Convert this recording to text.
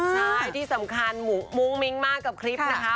ใช่ที่สำคัญมุ้งมิ้งมากกับคลิปนะคะ